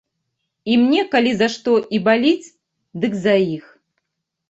І мне калі за што і баліць, дык за іх.